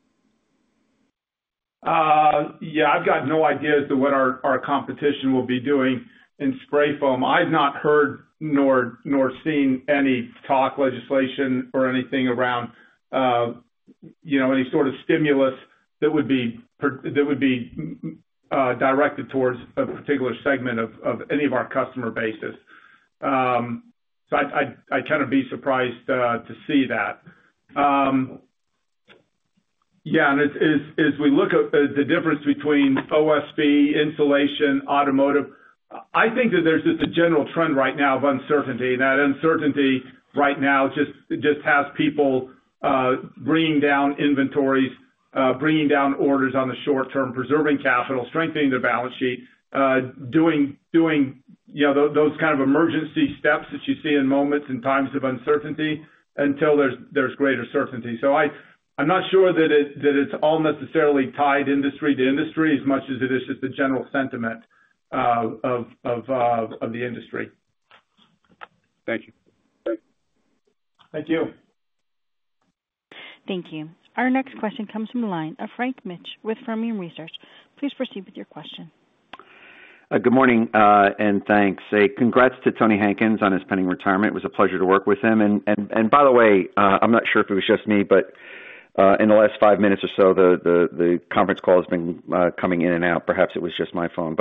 C: Yeah, I've got no idea as to what our competition will be doing in spray foam. I've not heard nor seen any talk, legislation, or anything around any sort of stimulus that would be directed towards a particular segment of any of our customer bases. I'd kind of be surprised to see that. Yeah, as we look at the difference between OSB, insulation, automotive, I think that there's just a general trend right now of uncertainty. That uncertainty right now just has people bringing down inventories, bringing down orders on the short term, preserving capital, strengthening their balance sheet, doing those kind of emergency steps that you see in moments and times of uncertainty until there's greater certainty. I'm not sure that it's all necessarily tied industry to industry as much as it is just the general sentiment of the industry.
M: Thank you.
C: Thank you.
A: Thank you. Our next question comes from the line of Frank Mitsch with Fermium Research. Please proceed with your question.
N: Good morning and thanks. Congrats to Tony Hankins on his pending retirement. It was a pleasure to work with him. By the way, I'm not sure if it was just me, but in the last five minutes or so, the conference call has been coming in and out. Perhaps it was just my phone.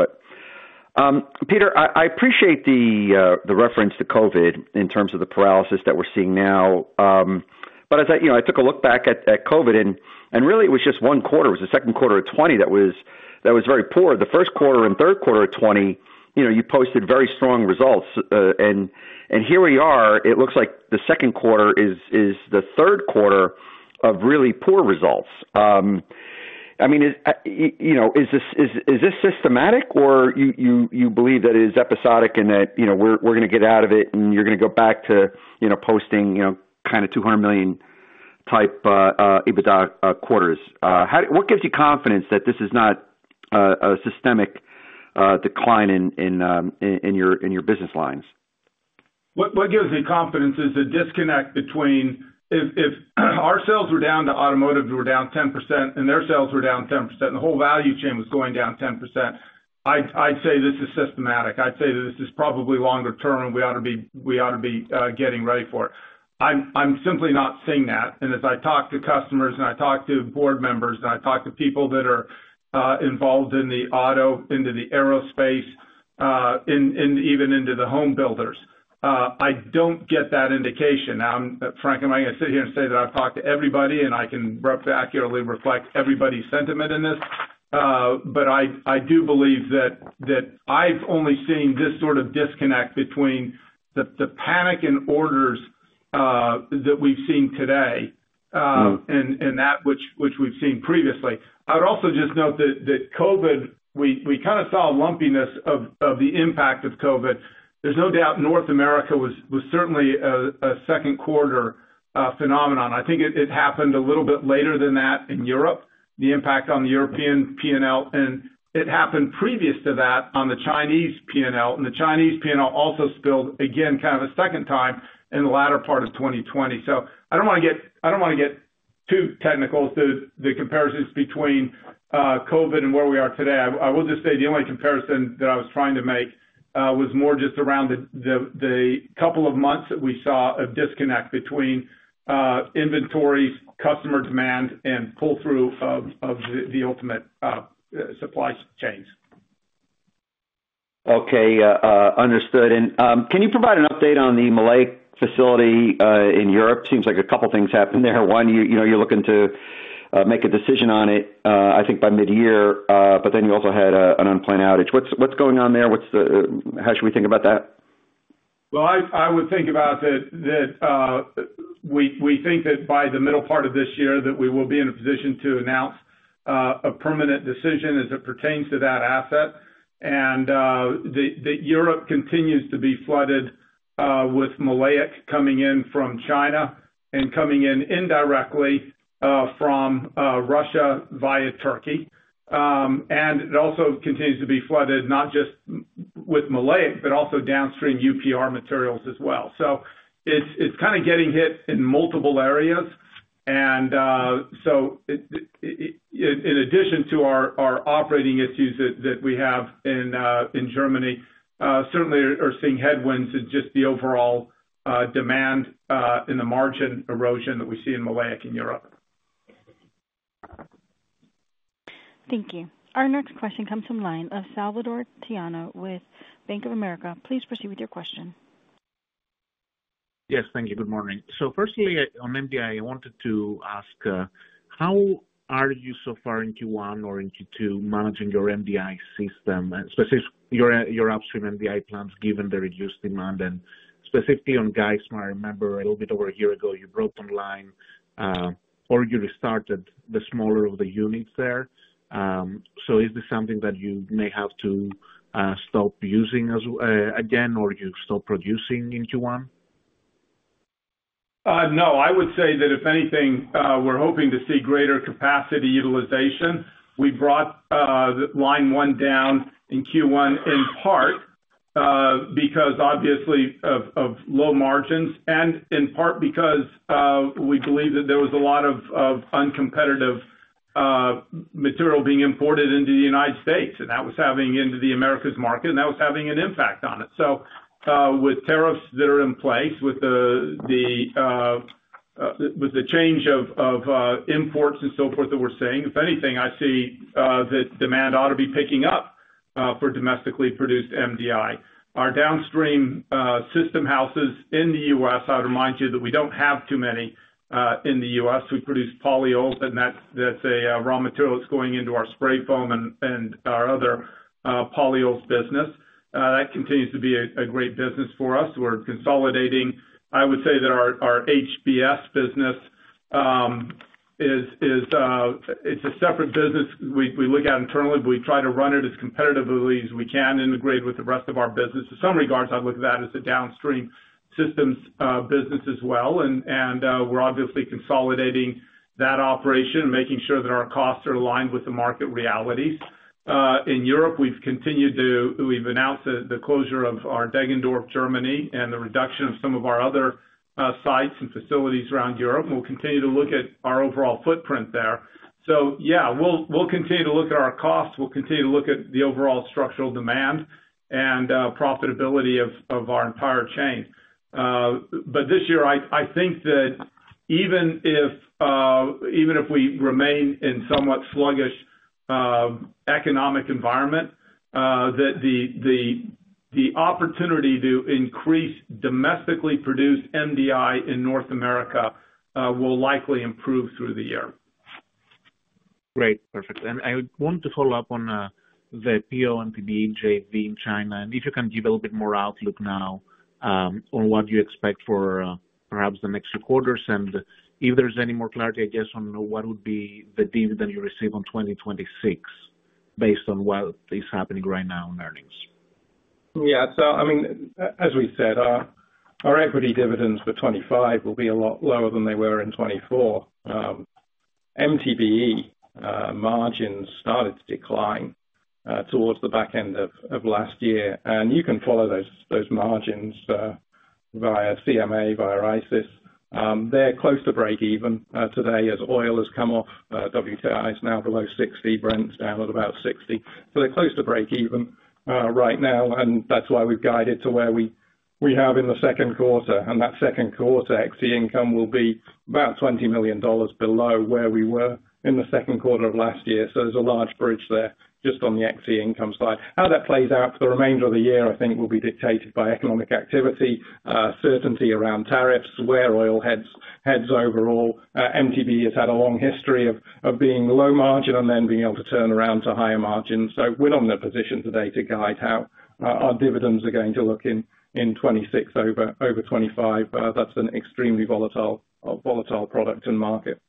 N: Peter, I appreciate the reference to COVID in terms of the paralysis that we're seeing now. I took a look back at COVID, and really it was just one quarter. It was the second quarter of 2020 that was very poor. The first quarter and third quarter of 2020, you posted very strong results. Here we are, it looks like the second quarter is the third quarter of really poor results. I mean, is this systematic, or you believe that it is episodic and that we're going to get out of it and you're going to go back to posting kind of $200 million type EBITDA quarters? What gives you confidence that this is not a systemic decline in your business lines?
C: What gives me confidence is the disconnect between if our sales were down to automotive, we were down 10%, and their sales were down 10%, the whole value chain was going down 10%, I'd say this is systematic. I'd say that this is probably longer term and we ought to be getting ready for it. I'm simply not seeing that. As I talk to customers and I talk to board members and I talk to people that are involved in the auto, into the aerospace, and even into the home builders, I don't get that indication. Now, Frank, am I going to sit here and say that I've talked to everybody and I can accurately reflect everybody's sentiment in this? I do believe that I've only seen this sort of disconnect between the panic in orders that we've seen today and that which we've seen previously. I would also just note that COVID, we kind of saw a lumpiness of the impact of COVID. There's no doubt North America was certainly a second quarter phenomenon. I think it happened a little bit later than that in Europe, the impact on the European P&L, and it happened previous to that on the Chinese P&L. The Chinese P&L also spilled, again, kind of a second time in the latter part of 2020. I do not want to get too technical to the comparisons between COVID and where we are today. I will just say the only comparison that I was trying to make was more just around the couple of months that we saw of disconnect between inventories, customer demand, and pull-through of the ultimate supply chains.
N: Okay. Understood. Can you provide an update on the Maleic Anhydride facility in Europe? Seems like a couple of things happened there. One, you're looking to make a decision on it, I think by mid-year, but then you also had an unplanned outage. What's going on there? How should we think about that?
C: I would think about that we think that by the middle part of this year that we will be in a position to announce a permanent decision as it pertains to that asset. Europe continues to be flooded with maleic coming in from China and coming in indirectly from Russia via Turkey. It also continues to be flooded not just with maleic, but also downstream UPR materials as well. It is kind of getting hit in multiple areas. In addition to our operating issues that we have in Germany, certainly are seeing headwinds in just the overall demand and the margin erosion that we see in maleic in Europe.
A: Thank you. Our next question comes from the line of Salvatore Tiano with Bank of America. Please proceed with your question.
O: Yes. Thank you. Good morning. Firstly, on MDI, I wanted to ask, how are you so far in Q1 or in Q2 managing your MDI system, specifically your upstream MDI plants given the reduced demand? Specifically on Geismar, I remember a little bit over a year ago, you brought online or you restarted the smaller of the units there. Is this something that you may have to stop using again or you stop producing in Q1?
C: No. I would say that if anything, we're hoping to see greater capacity utilization. We brought line one down in Q1 in part because obviously of low margins and in part because we believe that there was a lot of uncompetitive material being imported into the United States, and that was having into the Americas market, and that was having an impact on it. With tariffs that are in place, with the change of imports and so forth that we're seeing, if anything, I see that demand ought to be picking up for domestically produced MDI. Our downstream system houses in the U.S., I'd remind you that we don't have too many in the U.S. We produce polyols, and that's a raw material that's going into our spray foam and our other polyols business. That continues to be a great business for us. We're consolidating. I would say that our HBS business is a separate business. We look at internally. We try to run it as competitively as we can integrate with the rest of our business. In some regards, I look at that as a downstream systems business as well. We are obviously consolidating that operation and making sure that our costs are aligned with the market realities. In Europe, we have continued to announce the closure of our Deggendorf, Germany, and the reduction of some of our other sites and facilities around Europe. We will continue to look at our overall footprint there. Yeah, we will continue to look at our costs. We will continue to look at the overall structural demand and profitability of our entire chain. I think that even if we remain in somewhat sluggish economic environment, that the opportunity to increase domestically produced MDI in North America will likely improve through the year.
O: Great. Perfect. I want to follow up on the PO and MTBE JV in China. If you can give a little bit more outlook now on what you expect for perhaps the next few quarters. If there's any more clarity, I guess, on what would be the dividend you receive in 2026 based on what is happening right now in earnings.
F: Yeah. I mean, as we said, our equity dividends for 2025 will be a lot lower than they were in 2024. MTBE margins started to decline towards the back end of last year. You can follow those margins via CMA, via ICIS. They're close to break even today as oil has come off. WTI is now below $60. Brent's down at about $60. They're close to break even right now. That's why we've guided to where we have in the second quarter. That second quarter equity income will be about $20 million below where we were in the second quarter of last year. There's a large bridge there just on the equity income side. How that plays out for the remainder of the year, I think, will be dictated by economic activity, certainty around tariffs, where oil heads overall. MTBE has had a long history of being low margin and then being able to turn around to higher margins. We are not in a position today to guide how our dividends are going to look in 2026 over 2025. That is an extremely volatile product and market.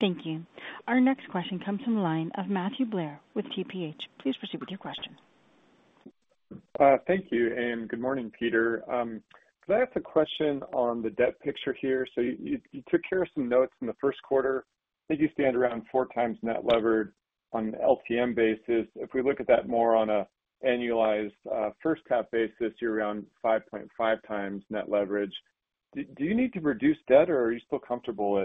A: Thank you. Our next question comes from the line of Matthew Blair with TPH. Please proceed with your question.
P: Thank you. Good morning, Peter. Can I ask a question on the debt picture here? You took care of some notes in the first quarter. I think you stand around four times net levered on an LTM basis. If we look at that more on an annualized first cap basis, you're around 5.5 times net leverage. Do you need to reduce debt, or are you still comfortable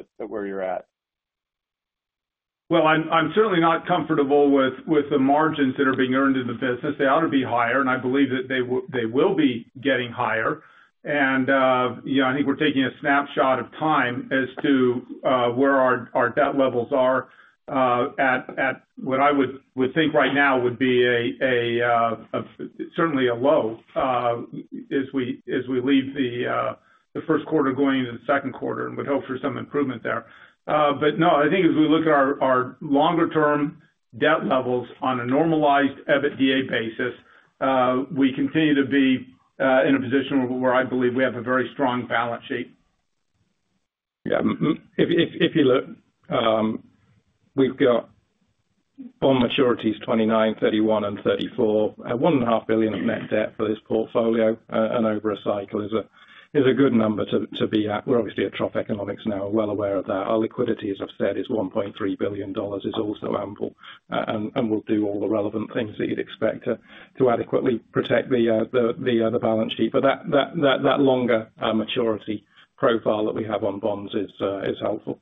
P: at where you're at?
C: I'm certainly not comfortable with the margins that are being earned in the business. They ought to be higher, and I believe that they will be getting higher. I think we're taking a snapshot of time as to where our debt levels are at what I would think right now would be certainly a low as we leave the first quarter going into the second quarter and would hope for some improvement there. No, I think as we look at our longer-term debt levels on a normalized EBITDA basis, we continue to be in a position where I believe we have a very strong balance sheet.
F: Yeah. If you look, we've got all maturities 2029, 2031, and 2034. $1.5 billion of net debt for this portfolio and over a cycle is a good number to be at. We're obviously at trough economics now. We're well aware of that. Our liquidity, as I've said, is $1.3 billion, is also ample. We'll do all the relevant things that you'd expect to adequately protect the balance sheet. That longer maturity profile that we have on bonds is helpful.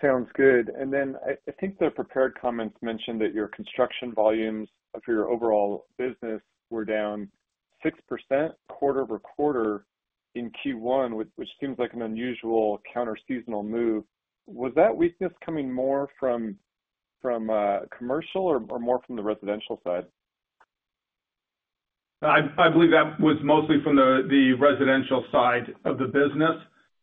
P: Sounds good. I think the prepared comments mentioned that your construction volumes for your overall business were down 6% quarter over quarter in Q1, which seems like an unusual counter-seasonal move. Was that weakness coming more from commercial or more from the residential side?
C: I believe that was mostly from the residential side of the business.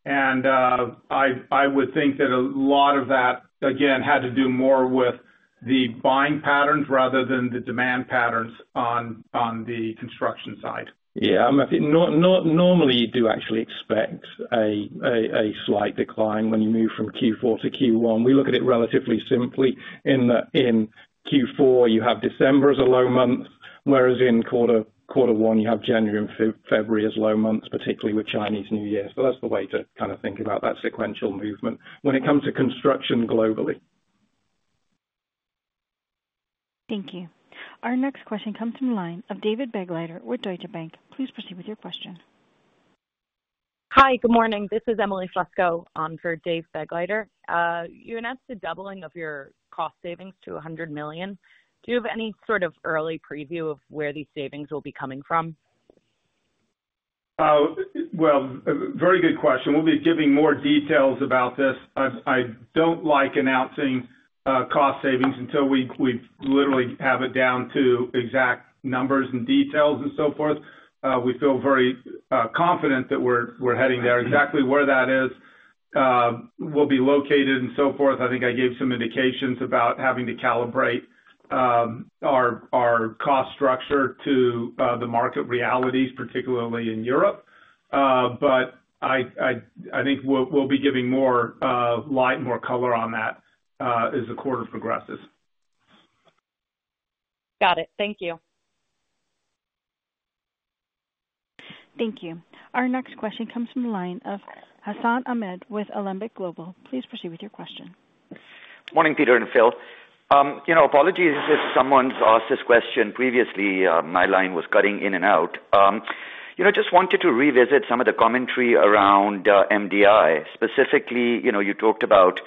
C: I would think that a lot of that, again, had to do more with the buying patterns rather than the demand patterns on the construction side.
F: Yeah. Normally, you do actually expect a slight decline when you move from Q4 to Q1. We look at it relatively simply. In Q4, you have December as a low month, whereas in quarter one, you have January and February as low months, particularly with Chinese New Year. That is the way to kind of think about that sequential movement when it comes to construction globally.
A: Thank you. Our next question comes from the line of David Begleiter with Deutsche Bank. Please proceed with your question.
Q: Hi. Good morning. This is Emily Fusco for David Begleiter. You announced a doubling of your cost savings to $100 million. Do you have any sort of early preview of where these savings will be coming from?
C: Very good question. We will be giving more details about this. I do not like announcing cost savings until we literally have it down to exact numbers and details and so forth. We feel very confident that we are heading there. Exactly where that is will be located and so forth. I think I gave some indications about having to calibrate our cost structure to the market realities, particularly in Europe. I think we will be giving more light, more color on that as the quarter progresses.
Q: Got it. Thank you.
A: Thank you. Our next question comes from the line of Hassan Ahmed with Alembic Global. Please proceed with your question.
R: Morning, Peter and Phil. Apologies if someone's asked this question previously. My line was cutting in and out. Just wanted to revisit some of the commentary around MDI. Specifically, you talked about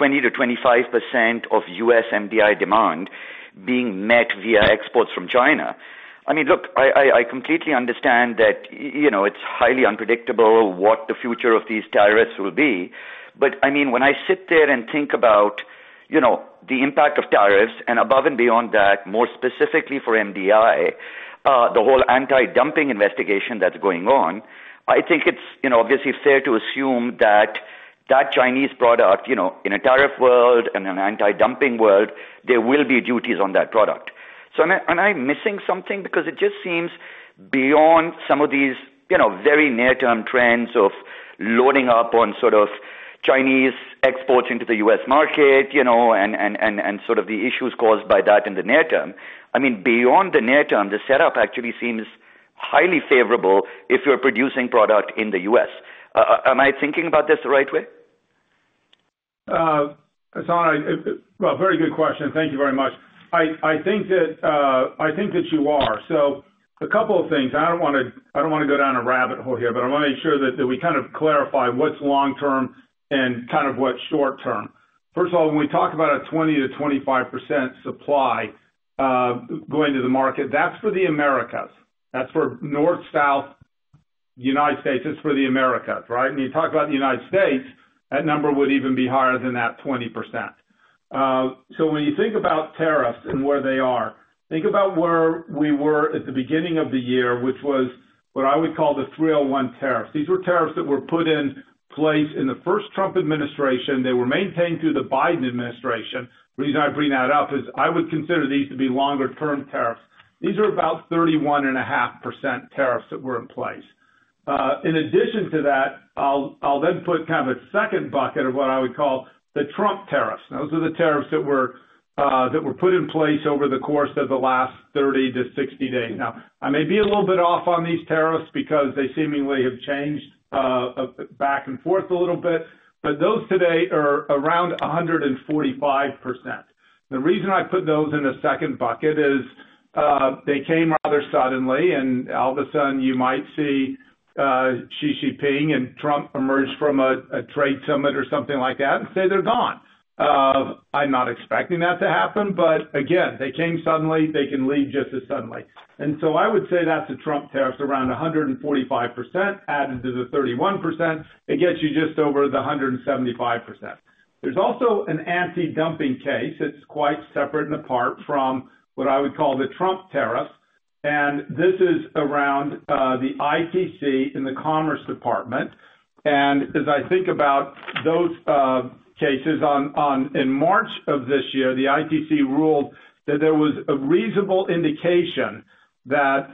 R: 20-25% of U.S. MDI demand being met via exports from China. I mean, look, I completely understand that it's highly unpredictable what the future of these tariffs will be. I mean, when I sit there and think about the impact of tariffs and above and beyond that, more specifically for MDI, the whole anti-dumping investigation that's going on, I think it's obviously fair to assume that that Chinese product, in a tariff world and an anti-dumping world, there will be duties on that product. Am I missing something? Because it just seems beyond some of these very near-term trends of loading up on sort of Chinese exports into the U.S. market and sort of the issues caused by that in the near term. I mean, beyond the near term, the setup actually seems highly favorable if you're producing product in the U.S. Am I thinking about this the right way?
C: Hassan, very good question. Thank you very much. I think that you are. A couple of things. I do not want to go down a rabbit hole here, but I want to make sure that we kind of clarify what is long-term and what is short-term. First of all, when we talk about a 20%-25% supply going to the market, that is for the Americas. That is for North, South, United States. It is for the Americas, right? You talk about the United States, that number would even be higher than that 20%. When you think about tariffs and where they are, think about where we were at the beginning of the year, which was what I would call the 301 tariffs. These were tariffs that were put in place in the first Trump administration. They were maintained through the Biden administration. The reason I bring that up is I would consider these to be longer-term tariffs. These are about 31.5% tariffs that were in place. In addition to that, I'll then put kind of a second bucket of what I would call the Trump tariffs. Those are the tariffs that were put in place over the course of the last 30 to 60 days. Now, I may be a little bit off on these tariffs because they seemingly have changed back and forth a little bit. Those today are around 145%. The reason I put those in a second bucket is they came rather suddenly. All of a sudden, you might see Xi Jinping and Trump emerge from a trade summit or something like that and say they're gone. I'm not expecting that to happen. Again, they came suddenly. They can leave just as suddenly. I would say that's the Trump tariffs, around 145% added to the 31%. It gets you just over the 175%. There's also an anti-dumping case. It's quite separate and apart from what I would call the Trump tariffs. This is around the ITC in the Commerce Department. As I think about those cases, in March of this year, the ITC ruled that there was a reasonable indication that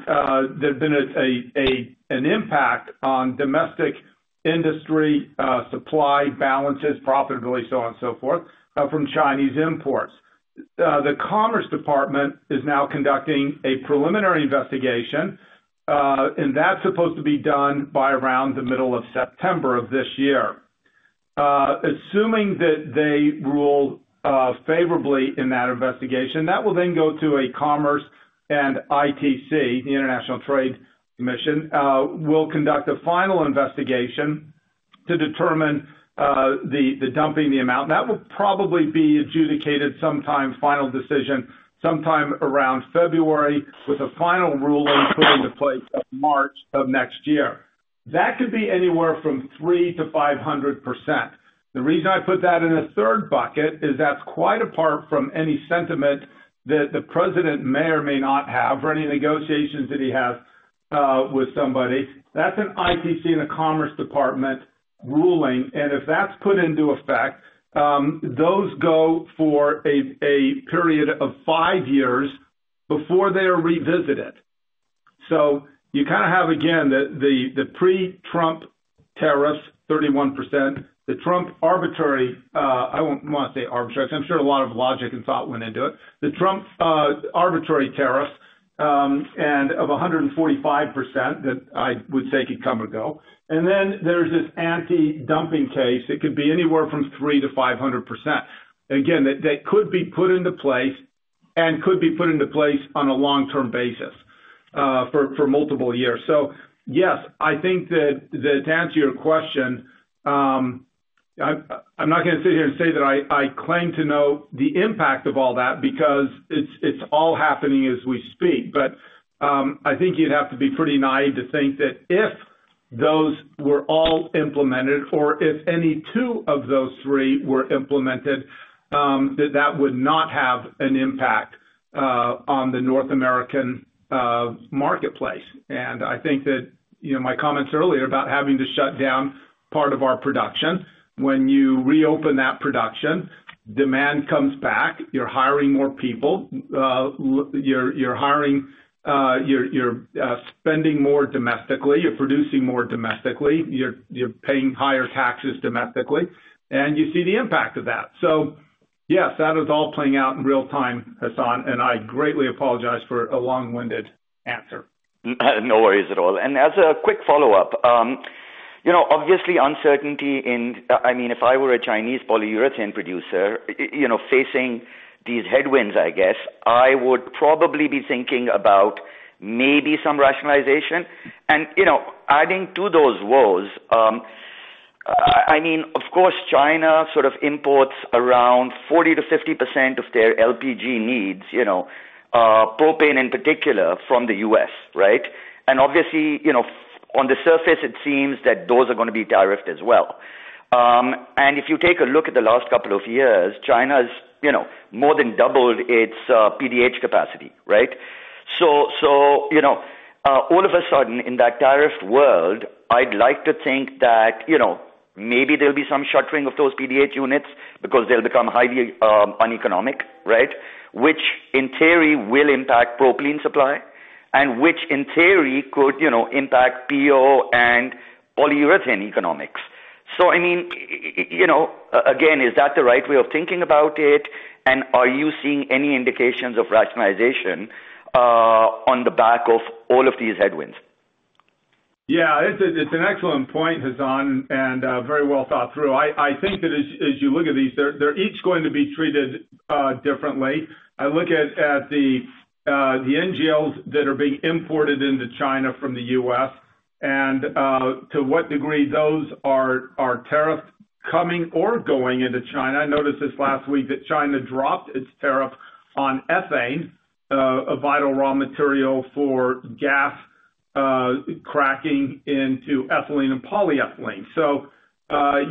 C: there had been an impact on domestic industry supply balances, profitability, so on and so forth, from Chinese imports. The Commerce Department is now conducting a preliminary investigation. That's supposed to be done by around the middle of September of this year. Assuming that they rule favorably in that investigation, that will then go to a Commerce and ITC, the International Trade Commission, will conduct a final investigation to determine the dumping, the amount. That will probably be adjudicated sometime, final decision, sometime around February with a final ruling put into place March of next year. That could be anywhere from 3%-500%. The reason I put that in a third bucket is that's quite apart from any sentiment that the president may or may not have or any negotiations that he has with somebody. That's an ITC and a Commerce Department ruling. If that's put into effect, those go for a period of five years before they are revisited. You kind of have, again, the pre-Trump tariffs, 31%, the Trump arbitrary—I won't say arbitrary, because I'm sure a lot of logic and thought went into it—the Trump arbitrary tariffs and of 145% that I would say could come or go. Then there's this anti-dumping case. It could be anywhere from 3%-500%. Again, that could be put into place and could be put into place on a long-term basis for multiple years. Yes, I think that to answer your question, I'm not going to sit here and say that I claim to know the impact of all that because it's all happening as we speak. I think you'd have to be pretty naive to think that if those were all implemented or if any two of those three were implemented, that that would not have an impact on the North American marketplace. I think that my comments earlier about having to shut down part of our production, when you reopen that production, demand comes back. You're hiring more people. You're spending more domestically. You're producing more domestically. You're paying higher taxes domestically. You see the impact of that. Yes, that is all playing out in real time, Hassan. I greatly apologize for a long-winded answer.
R: No worries at all. As a quick follow-up, obviously, uncertainty in—I mean, if I were a Chinese polyurethane producer facing these headwinds, I guess I would probably be thinking about maybe some rationalization. Adding to those woes, I mean, of course, China sort of imports around 40-50% of their LPG needs, propane in particular, from the U.S., right? Obviously, on the surface, it seems that those are going to be tariffed as well. If you take a look at the last couple of years, China has more than doubled its PDH capacity, right? All of a sudden, in that tariff world, I'd like to think that maybe there will be some shuttering of those PDH units because they will become highly uneconomic, right? Which in theory will impact propane supply and which in theory could impact PO and polyurethane economics. I mean, again, is that the right way of thinking about it? Are you seeing any indications of rationalization on the back of all of these headwinds?
C: Yeah. It's an excellent point, Hassan, and very well thought through. I think that as you look at these, they're each going to be treated differently. I look at the NGLs that are being imported into China from the U.S. and to what degree those are tariffed coming or going into China. I noticed this last week that China dropped its tariff on ethane, a vital raw material for gas cracking into ethylene and polyethylene.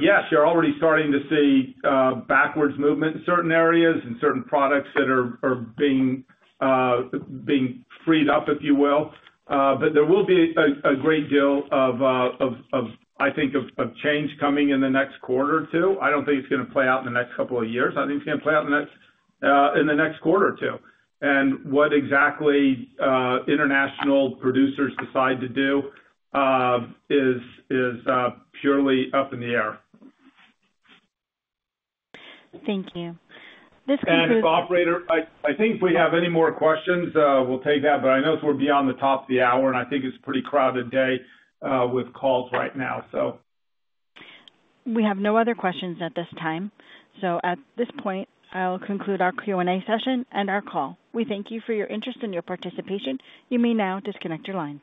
C: Yes, you're already starting to see backwards movement in certain areas and certain products that are being freed up, if you will. There will be a great deal of, I think, of change coming in the next quarter or two. I don't think it's going to play out in the next couple of years. I think it's going to play out in the next quarter or two. What exactly international producers decide to do is purely up in the air.
A: Thank you. This concludes.
C: If the operator—I think if we have any more questions, we'll take that. I know we're beyond the top of the hour, and I think it's a pretty crowded day with calls right now.
A: We have no other questions at this time. At this point, I'll conclude our Q&A session and our call. We thank you for your interest and your participation. You may now disconnect your lines.